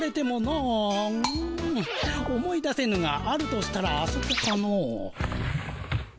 うん思い出せぬがあるとしたらあそこかの。